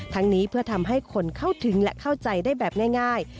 นี้เพื่อทำให้คนเข้าถึงและเข้าใจได้แบบง่าย